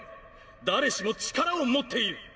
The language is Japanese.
誰しも力を持っている！